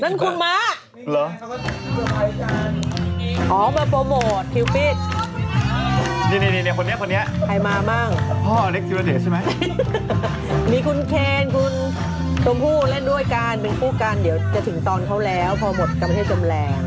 นั่นคุณม้าหรออ๋อมาโปรโมทคิวปิดดีดีดีคนเนี้ยคนเนี้ย